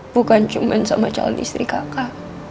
bukan cuma sama calon istri kakak